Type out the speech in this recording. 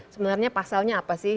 sebenarnya pasalnya apa sih